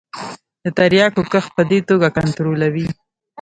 د تریاکو کښت په دې توګه کنترولوي.